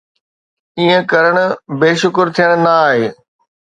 ائين ڪرڻ بي شڪر ٿيڻ نه آهي.